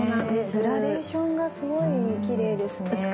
グラデーションがすごいきれいですね。